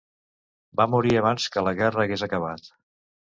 Va morir abans que la guerra hagués acabat.